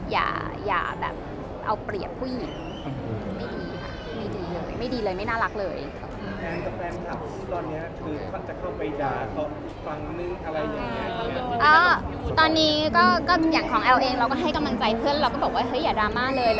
อย่าแบบเอาเปรียบผู้หญิงไม่ดีค่ะไม่ดีเลยไม่ดีเลยไม่น่ารักเลย